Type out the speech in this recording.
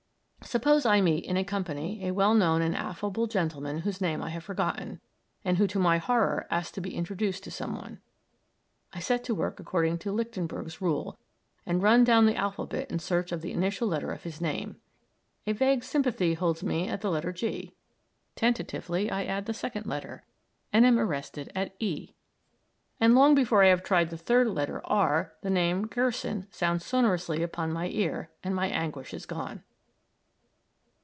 Suppose I meet in a company a well known and affable gentleman whose name I have forgotten, and who to my horror asks to be introduced to some one. I set to work according to Lichtenberg's rule, and run down the alphabet in search of the initial letter of his name. A vague sympathy holds me at the letter G. Tentatively I add the second letter and am arrested at e, and long before I have tried the third letter r, the name "Gerson" sounds sonorously upon my ear, and my anguish is gone.